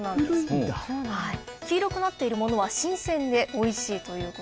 黄色くなっているものは新鮮でおいしいという事です。